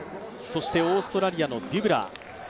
そしてオーストラリアのデュブラー。